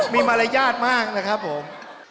มีมารยาทมากนะครับผม